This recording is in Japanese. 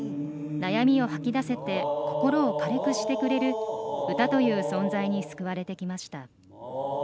悩みを吐き出せて心を軽くしてくれる歌という存在に救われてきました。